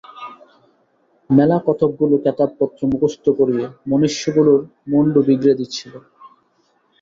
মেলা কতকগুলো কেতাবপত্র মুখস্থ করিয়ে মনিষ্যিগুলোর মুণ্ডু বিগড়ে দিচ্ছিল।